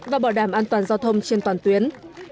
và bảo đảm an toàn giao thông trên toàn tuyến